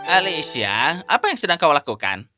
alicia apa yang sedang kau lakukan